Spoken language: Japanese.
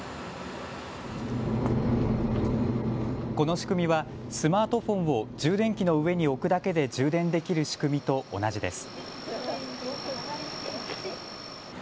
この仕組みはスマートフォンを充電器の上に置くだけで充電できる仕組みと同じです。